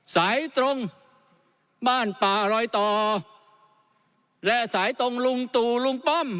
สายตรงบ้านป่ารอยต่อและสายตรงลุงตู่ลุงป้อม